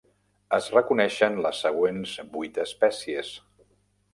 Es reconeixen les següents vuit espècies.